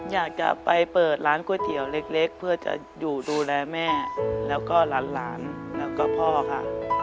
อยากจะไปเปิดร้านก๋วยเตี๋ยวเล็กเพื่อจะอยู่ดูแลแม่แล้วก็หลานแล้วก็พ่อค่ะ